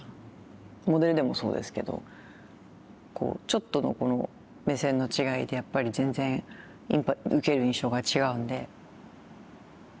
モデルでもそうですけどちょっとのこの目線の違いでやっぱり全然受ける印象が違うんで。